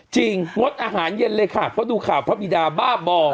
งดอาหารเย็นเลยค่ะเพราะดูข่าวพระบิดาบ้าบ่อ